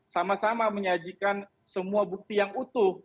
sama sama menyajikan semua bukti yang utuh